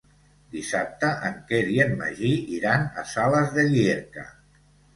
Dissabte en Quer i en Magí iran a Sales de Llierca.